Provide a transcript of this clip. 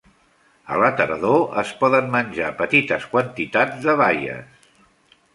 A la tardor es poden menjar petites quantitats de baies.